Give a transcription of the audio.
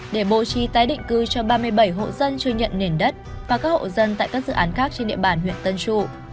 để bố trí tái định cư cho ba mươi bảy hộ dân chưa nhận nền đất và các hộ dân tại các dự án khác trên địa bàn huyện tân trụ